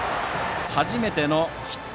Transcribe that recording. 初めてのヒット